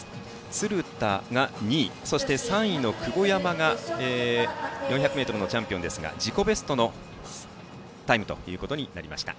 鶴田が２位、３位の久保山が４００ｍのチャンピオンですが自己ベストのタイムとなりました。